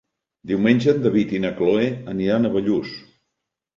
Diumenge en David i na Cloè aniran a Bellús.